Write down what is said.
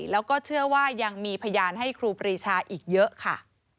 แล้วก็เชื่อว่ายังมีพยานให้ครูปรีชาอีกเยอะค่ะ